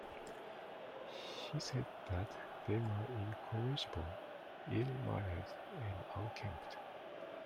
He said that they were "incorrigible, ill mannered, and unkempt".